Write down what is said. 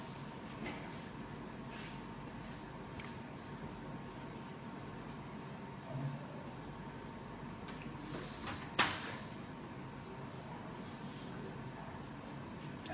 กลุ่มใหม่กับหมอกมือ